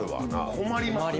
困りますね。